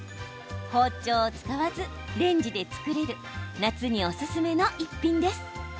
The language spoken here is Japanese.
包丁を使わずレンジで作れる夏におすすめの一品です。